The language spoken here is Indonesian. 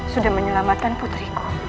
sudah menyelamatkan putriku